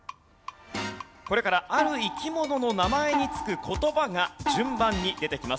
これからある生き物の名前につく言葉が順番に出てきます。